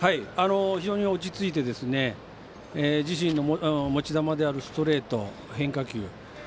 非常に落ち着いて自身の持ち球であるストレート、変化球。